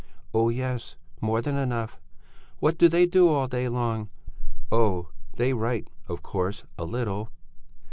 "'Oh, yes! More than enough!'" "'What do they do all day long?'" "'Oh! They write, of course, a little....'"